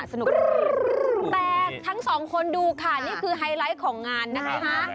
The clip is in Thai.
สนุกแต่ทั้งสองคนดูค่ะนี่คือไฮไลท์ของงานนะคะ